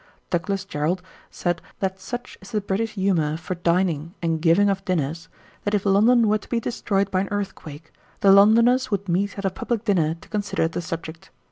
Douglas Jerrold said that such is the British humour for dining and giving of dinners, that if London were to be destroyed by an earthquake, the Londoners would meet at a public dinner to consider the subject.